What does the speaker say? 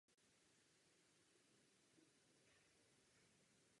Stojí miliardy a velmi zatěžuje životní prostředí.